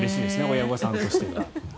親御さんとしては。